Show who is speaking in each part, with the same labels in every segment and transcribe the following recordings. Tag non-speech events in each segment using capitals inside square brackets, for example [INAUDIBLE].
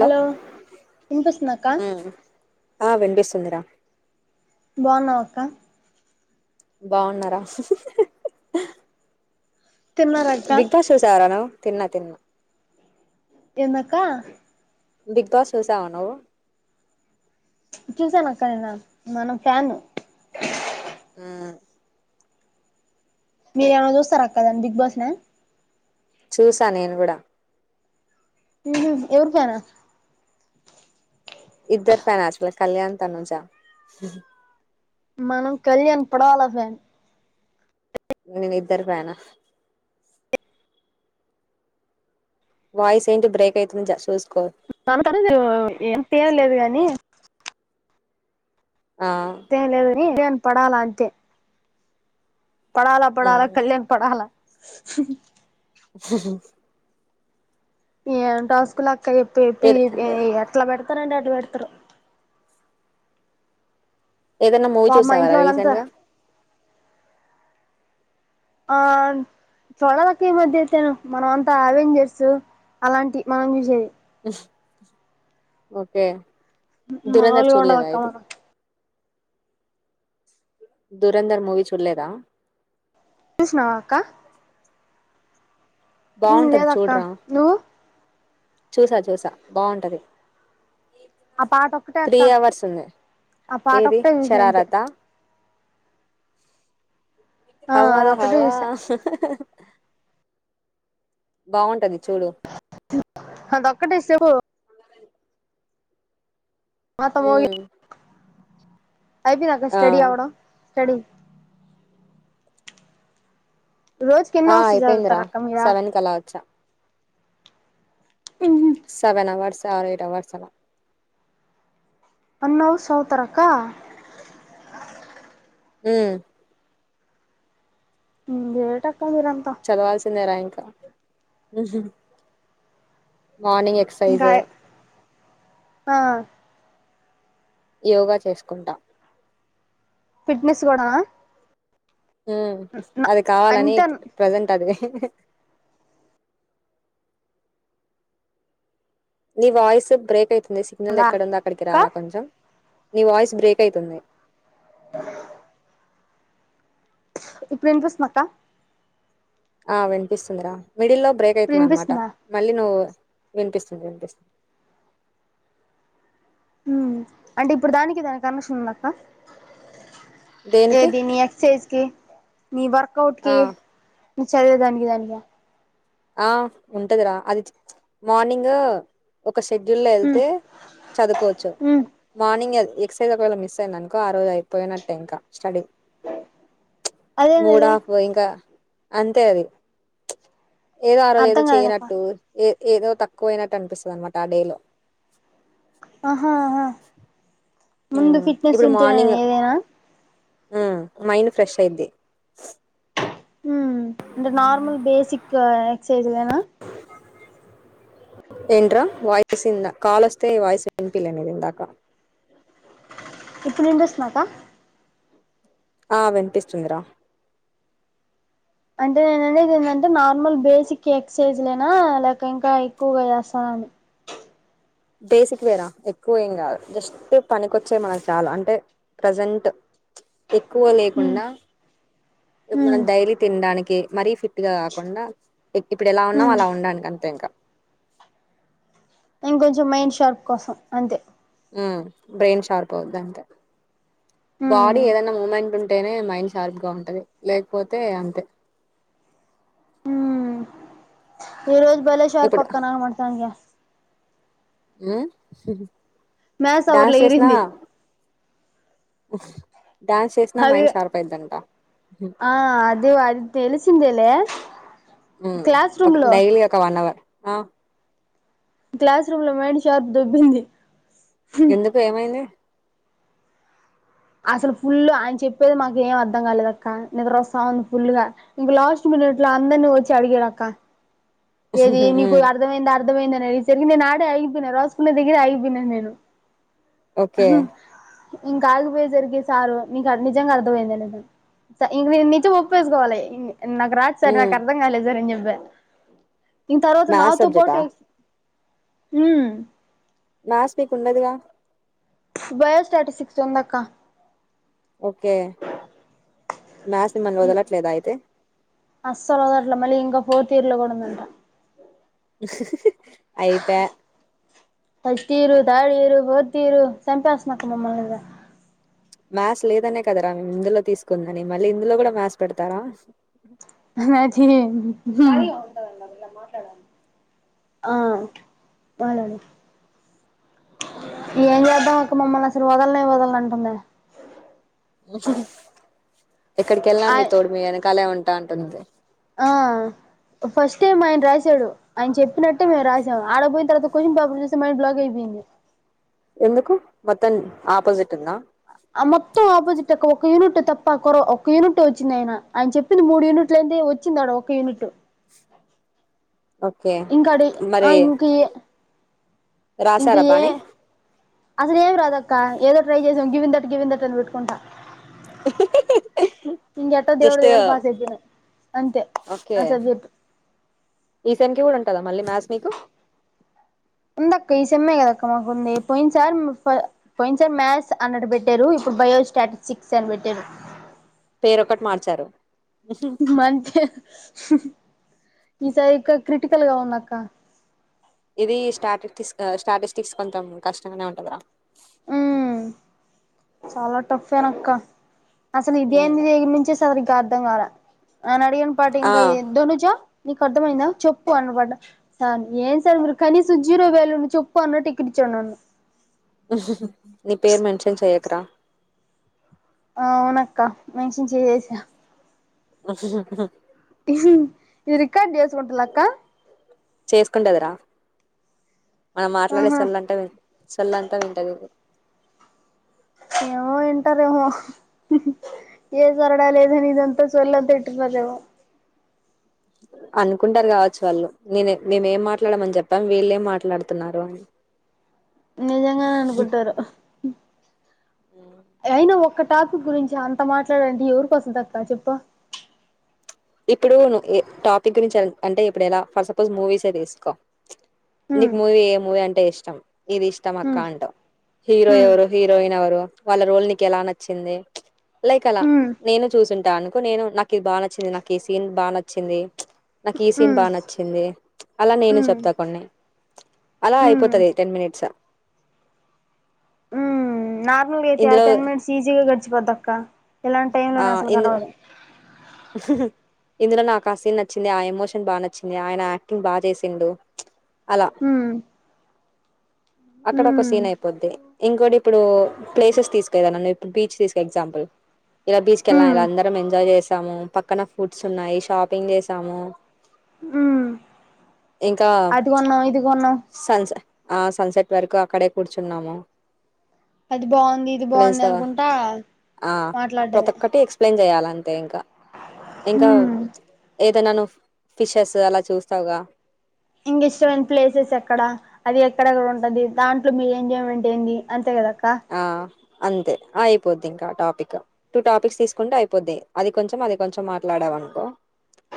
Speaker 1: Hello వినిపిస్తుందా అక్క
Speaker 2: ఆ వినిపిస్తూంది రా
Speaker 1: బాగున్నావా అక్క
Speaker 2: బాగున్నారా
Speaker 1: తిన్నార అక్క
Speaker 2: బిగ్ బాస్ చూసావా రా తిన్న తిన్
Speaker 1: ఎందక్క
Speaker 2: బిగ్ బస్ చూసావా నువ్వు
Speaker 1: చూసాను అక్కడ నిన్న మనం ఫ్యాను
Speaker 2: ఉ
Speaker 1: మీరు ఏమో చూస్తార అక్క బిగ్ బాస్ ని
Speaker 2: చూసా నేను కూడా
Speaker 1: ఉ ఎవరికైనా
Speaker 2: ఇద్దరి ఫైనా అసలు కళ్యాణ్ తనుజ
Speaker 1: మనం కళ్యాణ్ పడలా ఫ్యాన్
Speaker 2: నేను ఇద్దరి ఫ్యాను వాయిస్ ఏంటి బ్రేక్ అయితుంది జ చూస్
Speaker 1: తగతార మీరు ఏం తీయలేదు గాని
Speaker 2: ఆ
Speaker 1: తే లేదు అని [UNINTELLIGIBLE] పడాల అంతే పడాల పడాల కళ్యాణ్ పడాల ఏం టస్కు లాక్
Speaker 2: ఏ
Speaker 1: కైపెప్పి [UNINTELLIGIBLE] ఎట్ల బడరు పని ఉంటే అట్లా పెడతారు
Speaker 2: ఏదైనా మూవీ
Speaker 1: పాపం మా
Speaker 2: చూసావా
Speaker 1: ఇంట్లో
Speaker 2: రా రీసెంట్
Speaker 1: వాళ్ళంతా
Speaker 2: గా
Speaker 1: ఆ చడలక్క ఈ మధ్య అయితేను మనం అంతా అవెంజర్స్ అలాంటి మనం ఎమి చెయాం
Speaker 2: ఓకే దురంధర్
Speaker 1: మామూలుగా ఉండదు
Speaker 2: చూడలేదా
Speaker 1: అక్క
Speaker 2: ఇది
Speaker 1: మనం
Speaker 2: దురంధర్ మూవీ చూడలేదా
Speaker 1: చూసినవా అక్క ఉ
Speaker 2: బాగుంటది
Speaker 1: లేదక్క
Speaker 2: చూడరా
Speaker 1: నువ్వు
Speaker 2: చూసా చూసా బాగుంటది
Speaker 1: ఆ పాట ఒక్కటే
Speaker 2: త్రీ
Speaker 1: అక్క
Speaker 2: అవర్స్ ఉంది
Speaker 1: ఆ పాట
Speaker 2: ఏది
Speaker 1: ఒక్కటే చూసా అంతే
Speaker 2: షారారత
Speaker 1: ఆ
Speaker 2: హవా
Speaker 1: అదొక్కటే
Speaker 2: హవా
Speaker 1: చూసా
Speaker 2: బావుంటాది చూడు
Speaker 1: అదొక్కటిస్తే పో మోత మోగి
Speaker 2: ఉమ్
Speaker 1: అయపెంది అక్క
Speaker 2: ఆ
Speaker 1: స్టడి అవర్ స్టడీ రోజుకి ఎన్ని
Speaker 2: ఆ
Speaker 1: అవర్స్
Speaker 2: అయిపోయిందిరా
Speaker 1: జవతరక్కా మిరా
Speaker 2: సెవెన్ కి అలా వచ్చా seven hours or eight hours అలా
Speaker 1: అన్ని అవర్స్ చవ్ తారా అక్క
Speaker 2: హు
Speaker 1: ఇంగేట్
Speaker 2: చదవాల్సిందే రాంక్ ఉహు, మార్నింగ్ ఏ త
Speaker 1: ఇంకా
Speaker 2: సైజ్
Speaker 1: ఆ
Speaker 2: యోగా చేసుకుంటా
Speaker 1: ఫిట్నెస్ కూడానా
Speaker 2: హు, అది కావాలని
Speaker 1: అంతే
Speaker 2: ప్రజెంట్ అది నీ వాయిస్ బ్రేక్ ఐత్ ని సిగ్నల్
Speaker 1: ఉందా
Speaker 2: ఎక్కడుందో అక్కడికి
Speaker 1: అక్క
Speaker 2: రారా కొంచం నీ వాయిస్ బ్రేక్ అయితుంది.
Speaker 1: అ ఇప్పుర్ ఇనప్రిస్ అక్క
Speaker 2: ఆ వినిపిస్తుందిరా మిడిల్లో బ్రేక్
Speaker 1: ఇప్పుడు
Speaker 2: అయితుంన్ అనమాట
Speaker 1: వినిపిస్తుందా
Speaker 2: మళ్ళీ నువ్వు వినిపిస్తుంది వినిపిస్
Speaker 1: హు, అంటే ఇప్పుడు దానికి దానికి కనక్షన్ ఉన్నక్క
Speaker 2: దేనికి
Speaker 1: ఏది ని ఎక్సైజ్కి మీ వర్కౌట్ కి
Speaker 2: ఆ
Speaker 1: చదివే దానికి దానికి
Speaker 2: ఆ ఉంటదిరా అది, ప్చ్ ప్చ్ మార్నింగ్ ఒక షెడ్యూల్ లో
Speaker 1: ఉమ్
Speaker 2: ఎళ్తే చదువుకోవచ్చు
Speaker 1: ఉమ్
Speaker 2: మార్నింగ్ ఎల్ ఎక్సైజ్ ఒకవేళ మిస్యైంది అనుకో ఆ రోజు అయిపోనట్టే ఇంకా స్టడి చ్
Speaker 1: అదేందది
Speaker 2: మూడాఫ్ ఇంక అంతే అది చ్ ఏదో ఆ రోజు ఏదో
Speaker 1: అర్థం కాలేదప్ప
Speaker 2: చేయనట్టు ఏ ఏదో తక్కువ అయినట్టు అనిపిస్సది అనమాట ఆ డేలో
Speaker 1: ఆహా ఆహా ముందు ఫిట్నెస్ ఉంటేనా ఏదైనా
Speaker 2: ఆ మైండ్ ఫ్రెష్ అయిద్ది
Speaker 1: మ్మ్ అంటే నార్మల్ బేసిక్ ఎక్సైజ్ దేనా
Speaker 2: ఏంట్రా వాయిస్ంద కాలొస్తే వయిస్ వినిపిలే నీది ఇందాక
Speaker 1: ఇప్పుడు వినిపిస్తుందాక
Speaker 2: ఆ వినిపిస్తుందిరా
Speaker 1: అంటే నేను అనేది ఏందంటే నార్మల్ బేసిక్ ఎక్సైజ్ లేనా లేక ఇంకా ఎక్కువగా చేస్తారని,
Speaker 2: బేసిక్ వేరా ఎక్కువ ఏం కాదు జస్ట్ పనికొచ్చేవి మనకు చాలా అంటే ప్రజెంట్ ప్చ్. ఎక్కువ
Speaker 1: ఉమ్
Speaker 2: లేకుండా ఇప్పు
Speaker 1: ఉమ్
Speaker 2: మనం డైలీ తిండాని కే మరీ ఫిట్ గా కాకుండా ఇప్ ఇప్పుడు ఎలా ఉన్నావు
Speaker 1: ఉమ్
Speaker 2: అలా ఉండడానికి అంతే ఇంకా,
Speaker 1: ఇంకొంచెం మైండ్ షార్ప్ కోసం అంతే
Speaker 2: మ్మ్ బ్రెయిన్ షార్ప్ అవుద్ది అంతే,
Speaker 1: ఉమ్
Speaker 2: బాడీ ఏదనా మూమెంట్ ఉంటేనే మైండ్ షార్ప్గా ఉంటది లేకపోతే అంతే,
Speaker 1: ఈరోజ్ బళష్ర్
Speaker 2: ఇప్పుడు
Speaker 1: పక్కన మతానగా
Speaker 2: హు
Speaker 1: మస్వర్లే ఇంది
Speaker 2: వఫ డ్యాన్స్ చేసినా
Speaker 1: అది
Speaker 2: మైండ్ షార్ప్ అయిందంట
Speaker 1: ఆ అదే అదిది ఎలిసిందేలే
Speaker 2: ఒక డైలీ ఒక వన్ అవర్ ఆ
Speaker 1: క్లాస్ రూమ్ లో మేడి చార్ దుబ్బింది
Speaker 2: ఎందుకు ఏమైంది
Speaker 1: అసలు ఫుల్ ఆయన చెప్పేది మాకు ఏం అర్ధం కాలేదుక్క నిద్ర వస్తా ఉంది ఫుల్ గా ఇంక లాస్ట్ మినిట్లు అందరినీ వచ్చి అడిగాడుక్క ఏది నీకు
Speaker 2: ఉమ్
Speaker 1: అర్థంమైందా అర్థమైందంది న ఈరికి నేను ఆడే అగిపోయినాను రాసుకున్న దగ్గర ఆయిగిపోయినాను నేను
Speaker 2: ఓకే
Speaker 1: ఇంకా ఆగిపోయే జరిగే సారు నీకు నిజంగా అర్థమైందిను ఇంక నేను నిజం ఒప్పుేసుకోవాలి నాకు రాద్ సార్ నాకు
Speaker 2: ఉమ్
Speaker 1: అర్ధం కాలలే జరింది వెేత్ దీ తర్వాత
Speaker 2: మ్యాథ్స్
Speaker 1: నాతో
Speaker 2: సబ్జెక్టా
Speaker 1: పోటే మ్
Speaker 2: మ్యాస్ మీక్ ఉండదుగా
Speaker 1: బయోస్టాటిస్టిక్స్ందాక్క
Speaker 2: ఓకే మ్యాస్ మన్ వదలట్లేదా అయితే
Speaker 1: పోర్తి తీర్లో కూడాందంట
Speaker 2: అయితే
Speaker 1: ఫస్టీర్, థార్డ్ ఇయర్, ఫోర్థీర్ చంపేస్తుందుక్క మమ్మల్ని
Speaker 2: మ్యాథ్స్ లేదనే కదరా మేము ఇందులో తీసుకుందని మళ్ళీ ఇందులో కూడా మ్యాథ్స్ పెడతారా
Speaker 1: ఆ మాటీ ఆ ఏం చేద్దాం అక్క మమ్మల్ని అసలు వదలనే వదలనంటాందే
Speaker 2: అ చె. ఎక్కడికి వెళ్ళా మీ
Speaker 1: ఆయ
Speaker 2: తోడు మీ వెనకాలే ఉ అంటుంది
Speaker 1: ఆ ఫస్ట్ టైమ్ ఆయన రాశాడు ఆయన చెప్పినట్టే మేము రాసాం ఆడపోయిన తర్వాత క్వశ్చన్ పేపర్ చూస్తే మైండ్ బ్లాక్ అయిపోయింది.
Speaker 2: ఎందుకు మొత్తం ఆపోజిట్ ఉందా
Speaker 1: ఆ మొత్తం ఆపోజిట్ అక్క యూనిట్ తప్ప ఒక్క యూనిట్ వచ్చింది ఆయన ఆయన చెప్పింది మూడు యూనిట్లు అయితే వచ్చిందిాడ ఒక యూనిట్.
Speaker 2: ఓకే
Speaker 1: ఇంకడ ఆ
Speaker 2: మరి
Speaker 1: ఇంకా ఇంకా
Speaker 2: రాసారా
Speaker 1: ఏ
Speaker 2: బానే
Speaker 1: అసలు ఏ రాధ ఇ ఏదో ట్రై చేసాం గివిందట్ గివిందట్ అని పెట్టుకుంటా ఇంకెట్టో దేవుడు
Speaker 2: జస్ట్
Speaker 1: దయవల్ల పాస్ అయిపోయిన అంతే
Speaker 2: ఓకే
Speaker 1: ఆ సబ్జెక్ట్
Speaker 2: ఈ సెమ్ కి కూడా ఉంటదా మళ్ళీ మ్యాస్ మీకు
Speaker 1: ఉందక్క ఈ సమ్ఐ కదక్క మాకుంది పోయింది సార్ పోయింది సార్ మ్యాథ్స్ అన్నట్టు పెట్టారు ఇప్పుడు బయోస్టాటిస్టిక్స్ అని పెట్టారు
Speaker 2: పేరొకటి మార్చారు
Speaker 1: మంచే ఈసారి ఇక్క క్రిటికల్ గా ఉందక్క
Speaker 2: ఇది స్టాటిస్టిక్స్ స్టాటిస్టిక్స్ కొంచెం కష్టంగానే ఉంటదర
Speaker 1: ఉమ్ చాలా టఫేనక్క అసలు ఇది
Speaker 2: ఉమ్,
Speaker 1: ద నుంచిన ర అనా పాడియన్
Speaker 2: ఆ
Speaker 1: పాటింగ్కాయ దోన చ నీకు అర్థమైందా చెప్పు అన్న పడ్డా సార్ ఏం సార్ మీరు కనీస జీరో వేలుని చెప్పు అన్న టిక్కెట్ ఇచ్చాండి నన్ను
Speaker 2: ఆ నీ పేరు మెన్షన్ చెయకరా
Speaker 1: ఆ అవునక్క మెన్షన్ చేసేసా
Speaker 2: ఆ
Speaker 1: ఇది రికార్డ్ చేసుకుంటుల్లాక్క
Speaker 2: చేసుకుండదిరా మనం మాట్లాడే
Speaker 1: ఆహా
Speaker 2: సొల్ అంతా సొల్ల అంతా వింటది ఇది
Speaker 1: ఏవో ఇంటారేవో ఏ సరడా లేదని ఇదంతా సొల్లంత ఇన్టున్నారేమో
Speaker 2: అనుకుంటారు కావచ్చు వాళ్ళు నేను మేము ఏం మాట్లాడమని చెప్పాము వీళ్ళేం మాట్లాడుతున్నారు అని
Speaker 1: నిజంగానే అనుకుంటారు అయినా ఒ ఒక్క టాపిక్ గురించి అంత మాట్లాడాలంటే ఎవరికొస్తదక్క చెప్పు
Speaker 2: ఇప్పుడు టాపిక్ గురించి అంటే ఇప్పుడు ఎలా ఫర్ సపోజ్ మూవీసే తీసుకో
Speaker 1: ఉమ్
Speaker 2: నీకు మూవీ ఏ మూవీ అంటే ఇష్టం ఇది ఇష్టమక్కా
Speaker 1: ఉమ్
Speaker 2: అంటావ్ హీరో
Speaker 1: ఉమ్
Speaker 2: ఎవరు హీరోయిన్ ఎవరు వాళ్ళ రోల్ నీకు ఎలా నచ్చింది. లైక్ అలా
Speaker 1: ఉమ్
Speaker 2: నేను చూసింటా అనుకో, నేను నాకు ఇది బాగా నచ్చింది నాకు నాకు ఈ సీన్ బాగా నచ్చింది. నాకు ఈ సీన్
Speaker 1: ఉమ్
Speaker 2: బాగా నచ్చింది. అలా నేను
Speaker 1: ఉమ్
Speaker 2: చెప్తా కొన్ని అలా
Speaker 1: ఉమ్
Speaker 2: అయిపోతుంది టెన్ మినిట్స్.
Speaker 1: ఉ నా
Speaker 2: ఇందులో
Speaker 1: టెన్ మినిట్స్ ఈజీగా గ జవ దొక్క చ్ ఇలాంటి టైమ్ లో
Speaker 2: ఆ
Speaker 1: నాసలు
Speaker 2: ఇందు
Speaker 1: కనబడను.
Speaker 2: ఇందులో నాకు ఆ సీన్ నచ్చింది. ఆ ఎమోషన్ బాగా నచ్చింది. ఆయన యాక్టింగ్ బా చేసిండు. అలా
Speaker 1: ఉమ్
Speaker 2: అక్కడ ఒక
Speaker 1: ఉమ్
Speaker 2: సీన్ అయిపోద్ది ఇంకోటి ఇప్పుడు ప్లేసెస్ తీసుకేదా నన్న ఇప్పు బీచ్ తీసుక ఎగ్జాపుల్ ఇలా బీచ్కెలా
Speaker 1: ఉమ్
Speaker 2: ఇలా అందరం ఎం ఎ చేసాము పక్కన ఫుడ్స్ ఉన్నాయి, షాపింగ్ చేసాము.
Speaker 1: ఉ
Speaker 2: ఇంకా చ్
Speaker 1: కొన్నాం
Speaker 2: సన్స ఆ సన్సెట్ వరకు అక్కడే కూర్చున్నాము.
Speaker 1: అది బాగుంది, ఇది
Speaker 2: ఫ్రెండ్స్
Speaker 1: బాగుంది
Speaker 2: తో
Speaker 1: అనుకుంటా
Speaker 2: ఆ
Speaker 1: మాట్లా
Speaker 2: ప్రతి ఒక్కటి ఎక్స్ప్లెయిన్ చేయాలా అంతే ఇంకా ఇంకా
Speaker 1: ఉమ్
Speaker 2: ఏదైనా ను ఫిషెస్ అలా చూస్తావుగా
Speaker 1: ఇంక ఇష్టమైన ప్లేసెస్ ఎక్కడ అది ఎక్కడెక్కడ ఉంటది. దాంట్లో మీరు ఎంజాయ్మెంట్ ఏంది అంతే కదా.
Speaker 2: ఆ అంతే అయిపోద్ది ఇంకా టాపిక్ టూ టాపిక్స్ తీసుకుంటే అయిపోద్ది. అది కొంచెం అది కొంచెం మాట్లాడవు అనుకో.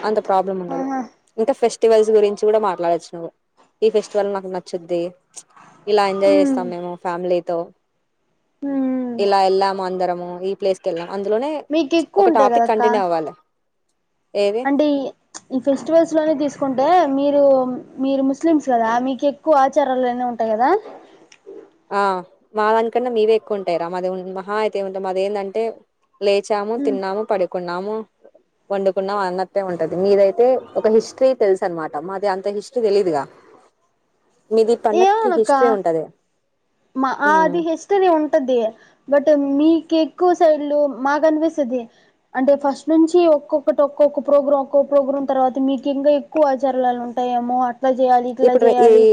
Speaker 2: అంత ప్రాబ్లం ఉండదు
Speaker 1: ఆహా
Speaker 2: ఇంకా ఫెస్ట్ ఫెస్టివల్స్ గురించి కూడా మాట్లాడచ్చు నువ్వు ఈ ఫెస్టివల్ నాకు నచ్చొద్ది. చ్ ఇలా ఎంజాయ్
Speaker 1: ఉమ్
Speaker 2: చేస్తాం. మేము ఫ్యామిలీ తో
Speaker 1: ఉమ్
Speaker 2: ఇలా ఎలా మందరమొ ఈ ప్లేస్కి ఎలా అందులోనే
Speaker 1: మీకు
Speaker 2: చ్ ఒక
Speaker 1: ఎక్కువ ఉంటాయి
Speaker 2: టాపిక్
Speaker 1: కదక్క
Speaker 2: కంటిన్యూ అవ్వాలి. ఏది
Speaker 1: అంటే చ్ ఈ ఫెస్టివల్స్ లోనే తీసుకు కుంటే మీరు మీరు ముస్లిమ్స్ కదా, మీకు ఎక్కువ ఆచారాలున్న ఉంటాయి కదా.
Speaker 2: ఆ మా దానికన్నా మీవే ఎక్కువ ఉంటాయిరా, మాది మహా అయితే ఏంటా మాది ఏంటంటే లేచాము, తిన్నాము పడి కున్నాము, వండుకున్నాము అన్నటె ఉంటది. మీదయితే ఒక హిస్టరీ తెలుసు అనమాట మాది అంత హిస్టరీ తెలిదుగా. మీది పండగకి
Speaker 1: ఏమోనక్క
Speaker 2: హిస్టరీ ఉంటది.
Speaker 1: మా ఆ
Speaker 2: హ్మ్.
Speaker 1: అది హిస్టరీ ఉంటది బట్ మీకు ఎక్కువ సైడ్లు మాకు అనిపిసది అంటే ఫస్ట్ నుంచి ఒక్కొక్కటి ఒక్కొక్క ప్రోగ్రాం ఒక్కొక్క ప్రోగ్రాం తర్వాత మీకు ఇంకా ఎక్కువ ఆచారాలు ఉంటాయేమో అనీ అట్లా చేయాలి ఇట్లా
Speaker 2: ఇప్పుడు ర ఈ
Speaker 1: చేయాలి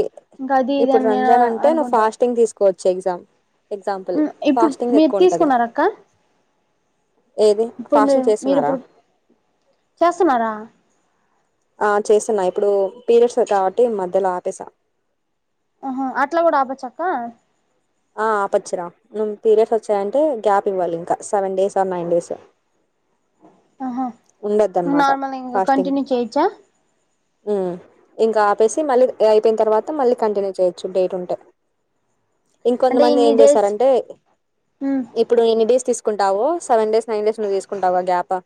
Speaker 1: ఇంకా అది ఇది
Speaker 2: ఇప్పుడు
Speaker 1: అని నేను
Speaker 2: రంజాన్ అంటే నువ్వు
Speaker 1: అనుకుంటా
Speaker 2: ఫాస్టింగ్ తీసుకు కోచ్ ఎగ్జామ్ ఎగ్జాంపుల్
Speaker 1: ఇప్పుడు
Speaker 2: ఫాస్టింగ్
Speaker 1: మీరు
Speaker 2: ఎక్కువ ఉంటది
Speaker 1: తీసుకున్నార అక్క
Speaker 2: ఏది
Speaker 1: ఇప్పుడు మీ
Speaker 2: ఫాస్టింగ్ చేస్తున్నారా
Speaker 1: మీరుప్పుడు చేస్తున్నారా
Speaker 2: ఆ చేసున్నా ఇప్పుడు పీరియడ్స్ కాబట్టి మధ్యలో ఆపేసా
Speaker 1: ఆహ అట్లా కూడా ఆపొచ్చక్క
Speaker 2: ఆ ఆపోచ్చురా నువ్ పీరియడ్స్ వచ్చాయంటే గ్యాప్ ఇవ్వాలి ఇంకా seven days or nine days
Speaker 1: ఆహా
Speaker 2: ఉండొద్దు అనమాట
Speaker 1: నార్మల్ ఇంకా
Speaker 2: ఫాస్టింగ్
Speaker 1: కంటిన్యూ చేయోచ్చా
Speaker 2: ఉమ్ ఇంకా ఆపేసి మళ్ళీ అయిపోయిన తర్వాత మళ్ళీ కంటిన్యూ చేయొచ్చు డేట్ ఉంటే
Speaker 1: అంటే
Speaker 2: ఇంకొంతమంది
Speaker 1: ఇన్ని
Speaker 2: ఏం
Speaker 1: డేస్
Speaker 2: చేస్తారంటే
Speaker 1: ఉమ్
Speaker 2: ఇప్పుడు నేను డేస్ తీసుకుని ఉంటావు సెవేన్ డేస్ నైన్ డేస్ నువ్వు తీసుకుంటావుగా గ్యాప్ఆ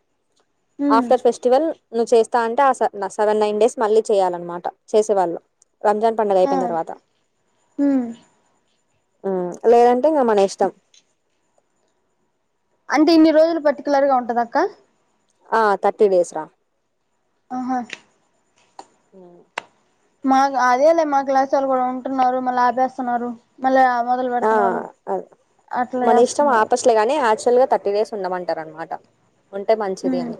Speaker 1: ఉమ్
Speaker 2: ఆఫ్టర్ ఫెస్టివల్ నువ్వు చేస్తా అంటే ఆ సేవ్ సెవెన్ నైన్ డేస్ మళ్ళీ చేయాలన్నమాట చేసేవాళ్ళు రంజాన్ పడుగ
Speaker 1: ఆ
Speaker 2: అయిపోయిన తర్వాత
Speaker 1: ఉమ్
Speaker 2: ఉమ్ లేదంటే ఇంకా మన ఇష్టం
Speaker 1: అంటే ఇన్ని రోజులు పర్టికులర్ గా ఉంటద అక్క
Speaker 2: ఆ తర్టీ డేస్ రా
Speaker 1: ఆహా
Speaker 2: హు
Speaker 1: మాకు అదేలే మా క్లాస్ వాళ్ళు కూడా ఉంటున్నారు మళ్ళీ ఆపేస్తున్నారు మళ్ళీఆ
Speaker 2: ఆ అ మన ఇష్టం
Speaker 1: చేస్తున్నారు
Speaker 2: ఆపోచ్చులే గాని ఆచ్ ఆల్ గా థర్టీ డేస్ ఉండమంటార అన్నమాట
Speaker 1: ఉమ్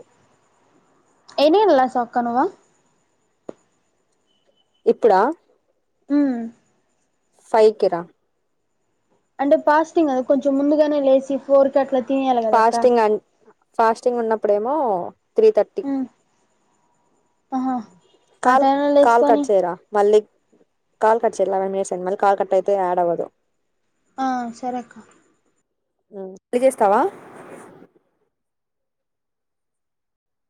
Speaker 1: ఎన్ ఎన్ లాస్ ఆఫ్ కనవా
Speaker 2: ఇప్పుడా
Speaker 1: ఉమ్
Speaker 2: ఫైకిరా
Speaker 1: అంటే పాస్టింగ్ కద కొంచెం ముందుగానే లేచి ఫోర్ క అట్లా తీనేయలి కదాక్క
Speaker 2: ఫాస్టింగ్ అ ఫాస్టింగ్ ఉన్నప్పుడేమో త్రీ థర్టీ
Speaker 1: ఉమ్ ఆహా ఆ
Speaker 2: కాల్
Speaker 1: టైంలో
Speaker 2: కాల్
Speaker 1: లేసుకొని
Speaker 2: కట్చేరా మళ్లీ కాల కట్ చేయి లెవెన్ మినిట్స్ అయ్యింది మళ్ళి కాల్ కట్అయితే యాడ్ అవ్వదు
Speaker 1: ఆ సరేక్క
Speaker 2: హ్మ్ తీసేస్తావా